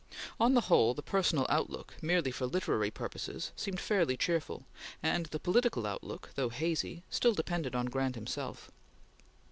On the whole, the personal outlook, merely for literary purposes, seemed fairly cheerful, and the political outlook, though hazy, still depended on Grant himself.